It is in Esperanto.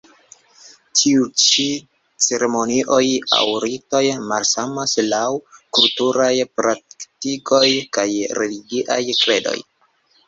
Tiuj ĉi ceremonioj aŭ ritoj malsamas laŭ kulturaj praktikoj kaj religiaj kredoj.